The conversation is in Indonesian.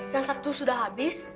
yang satu sudah habis